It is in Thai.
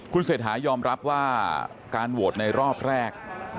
คุณเศรษฐายอมรับว่าการโหวตในรอบแรก